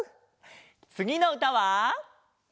つぎのうたは。